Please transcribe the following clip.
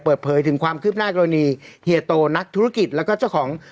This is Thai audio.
เปิดเผยถึงความคืบหน้ากรณีเฮียโตนักธุรกิจแล้วก็เจ้าของ